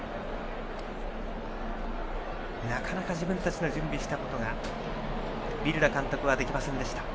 なかなか自分たちの準備したことがビルダ監督はできませんでした。